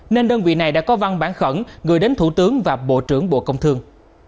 nên đơn vị này đã có văn bản khẩn gửi đến thủ tướng và bộ trưởng bộ công thương